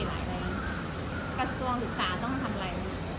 กระทรวงศึกษาต้องทำอะไร